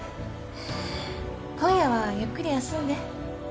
今夜はゆっくり休んで。